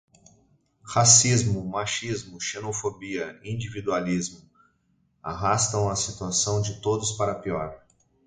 Racismo, machismo, xenofobia, individualismo, arrastam a situação de todos para pior